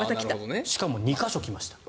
しかも２か所来ました。